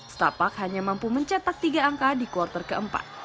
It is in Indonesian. setapak hanya mampu mencetak tiga angka di kuartal keempat